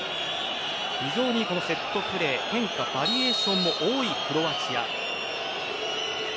非常にセットプレー変化、バリエーションも多いクロアチア。